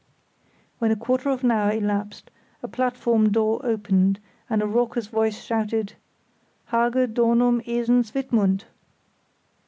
When a quarter of an hour elapsed, a platform door opened, and a raucous voice shouted: "Hage, Dornum, Esens, Wittmund!"